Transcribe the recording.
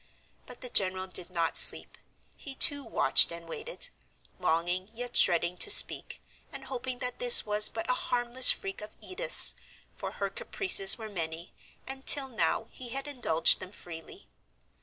But the general did not sleep; he too watched and waited, longing yet dreading to speak, and hoping that this was but a harmless freak of Edith's, for her caprices were many, and till now he had indulged them freely.